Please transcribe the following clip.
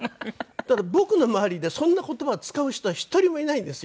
ただ僕の周りでそんな言葉を使う人は１人もいないんですよ。